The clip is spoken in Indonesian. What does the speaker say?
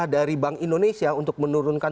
dari bank indonesia untuk menurunkan